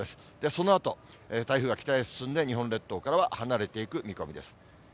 そのあと、台風は北へ進んで、日本列島からは離れていく見込みです。